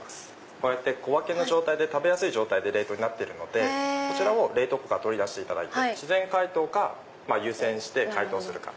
こうやって食べやすい状態で冷凍になってるのでこちらを冷凍庫から取り出していただいて自然解凍か湯煎して解凍するか。